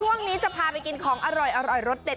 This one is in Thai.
ช่วงนี้จะพาไปกินของอร่อยรสเด็ด